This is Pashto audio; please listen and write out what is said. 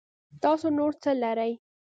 تاسو نور څه لرئ